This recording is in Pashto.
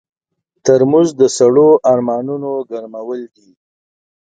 ترموز د سړو ارمانونو ګرمول دي.